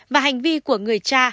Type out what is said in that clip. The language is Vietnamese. và hành vi của người cha